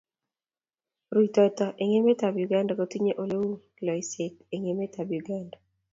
Rutoito eng emetab Uganda kotinyei ole uu loiseet eng emetab Uganda.